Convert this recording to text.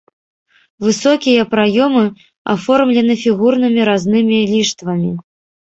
Высокія праёмы аформлены фігурнымі разнымі ліштвамі.